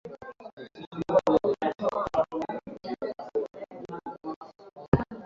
viazi lishe zao ambalo mizizi na majani yake huliwa